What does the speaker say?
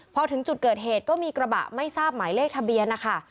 พอถึงจุดเกิดเหตุก็มีกระบะไม่ทราบหมายเลขทะเบียนนะคะ